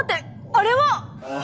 あれは！